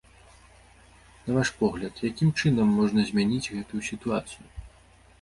На ваш погляд, якім чынам можна змяніць гэтую сітуацыю?